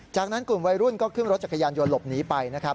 จากนั้นกลุ่มวัยรุ่นก็ขึ้นรถจักรยานยนต์หลบหนีไปนะครับ